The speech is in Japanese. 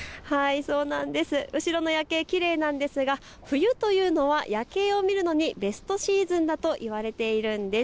後ろの夜景、きれいなんですが冬というのは夜景を見るのにベストシーズンだと言われているんです。